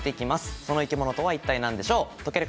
その生き物とはなんでしょうか。